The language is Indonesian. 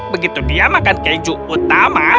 begitu dia makan keju utama